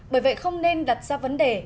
bởi vậy không nên đặt ra vấn đề